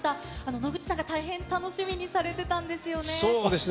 野口さんが大変楽しみにされてたんですよね。